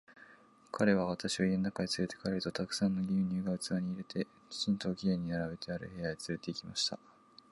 彼は私を家の中へつれて帰ると、たくさんの牛乳が器に入れて、きちんと綺麗に並べてある部屋へつれて行きました。